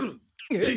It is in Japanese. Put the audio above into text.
えっ？